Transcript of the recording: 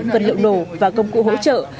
vật liệu nổ và công cụ hỗ trợ